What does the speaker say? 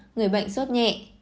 người bệnh suốt nhẹ